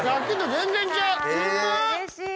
うれしい！